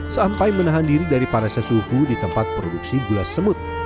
sampai menahan diri dari panasnya suhu di tempat produksi gula semut